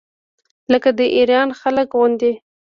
لکه د ایران خلکو غوندې.